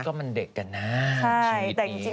ก็มันเด็กกันหน้าชีวิตนี้